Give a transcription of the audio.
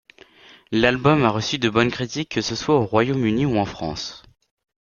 L'album a reçu de bonnes critiques que ce soit au Royaume-Uni ou en France.